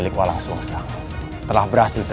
sekarang terimalah kematianmu